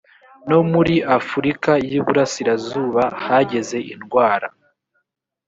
no muri afurika y iburasirazuba hageze indwara